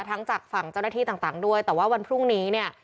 จากฝั่งเจ้าหน้าที่ต่างด้วยแต่ว่าวันพรุ่งนี้เนี่ย